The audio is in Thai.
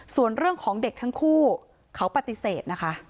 ส่วนเรื่องของเด็กทั้งคู่เขาปฏิเสธนะคะ